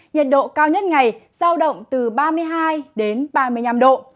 nhiệt độ cao nhất ngày giao động từ ba mươi hai đến ba mươi năm độ